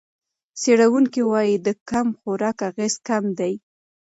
څېړونکي وايي د کم خوراک اغېز کم دی.